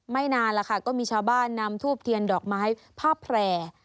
ไม่นานละค่ะก็มีชาวบ้านนำทูบเทียนดอกไม้พระแผล